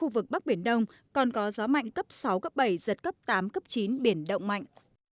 khu vực bắc biển đông còn có gió mạnh cấp sáu cấp bảy giật cấp tám cấp chín biển động mạnh